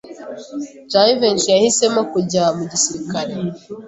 Jivency yahisemo kujya mu gisirikare.